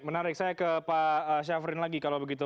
menarik saya ke pak syafrin lagi kalau begitu